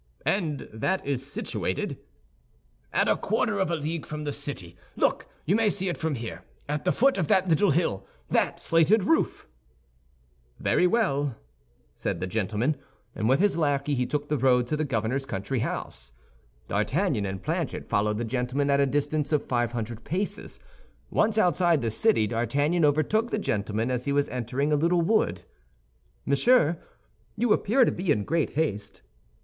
"And that is situated?" "At a quarter of a league from the city. Look, you may see it from here—at the foot of that little hill, that slated roof." "Very well," said the gentleman. And, with his lackey, he took the road to the governor's country house. D'Artagnan and Planchet followed the gentleman at a distance of five hundred paces. Once outside the city, D'Artagnan overtook the gentleman as he was entering a little wood. "Monsieur, you appear to be in great haste?"